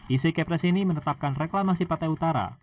isekipres ini menetapkan reklamasi pantai utara